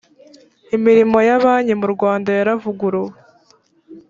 imirimo y’amabanki mu rwanda yaravuguruwe